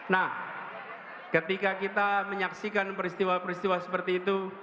nah ketika kita menyaksikan peristiwa peristiwa seperti itu